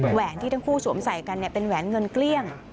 แหวนที่ทั้งคู่สวมใส่กันเป็นแหวนเงินเกลี้ยง